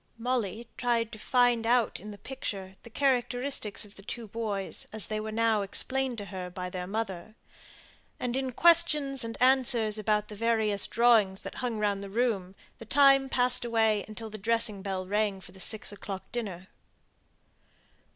Molly tried to find out in the picture the characteristics of the two boys, as they were now explained to her by their mother; and in questions and answers about the various drawings hung round the room the time passed away until the dressing bell rang for the six o'clock dinner.